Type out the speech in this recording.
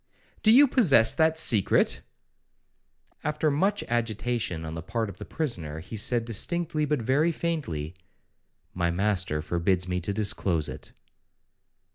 'Do you possess that secret?'—After much agitation on the part of the prisoner, he said distinctly, but very faintly, 'My master forbids me to disclose it.'